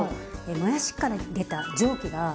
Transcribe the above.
もやしから出た蒸気が対流して。